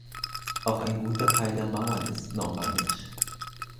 Auch ein guter Teil der Mauern ist normannisch.